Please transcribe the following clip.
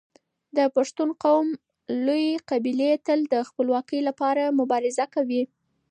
د پښتون قوم لويې قبيلې تل د خپلواکۍ لپاره مبارزه کوي.